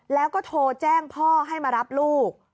แล้วก็โทรแจ้งพ่อให้มารับลูก